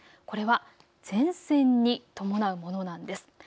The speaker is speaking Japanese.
これは前線に伴うものなんです。